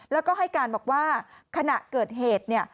แล้วก็ให้การบอกว่าขณะเกิดเหตุเนี่ย